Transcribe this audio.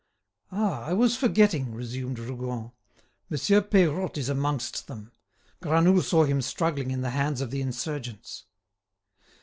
"Ah! I was forgetting!" resumed Rougon, "Monsieur Peirotte is amongst them. Granoux saw him struggling in the hands of the insurgents."